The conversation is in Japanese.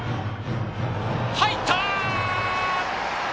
入った！